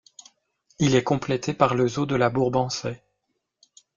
Il est complété par le zoo de la Bourbansais.